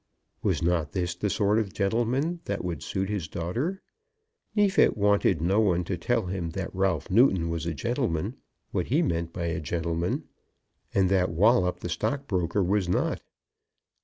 Was not this the sort of gentleman that would suit his daughter? Neefit wanted no one to tell him that Ralph Newton was a gentleman, what he meant by a gentleman, and that Wallop the stockbroker was not.